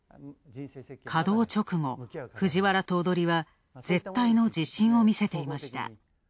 稼働直後、藤原頭取は絶対の自信を見せていました。